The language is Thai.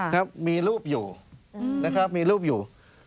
ครับมีรูปอยู่นะครับมีรูปอยู่